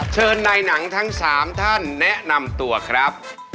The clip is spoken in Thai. เชิญนายหนังทั้ง๓ท่านแนะนำตัวครับ